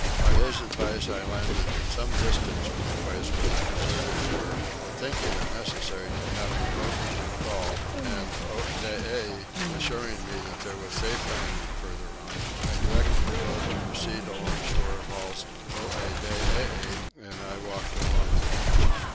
By his advice I landed at some distance from the place where the deserters were but, thinking it necessary to have the boat within call, and Oedidee assuring me that there was safe landing farther on, I directed the boat to proceed along shore whilst Oedidee and I walked along the beach.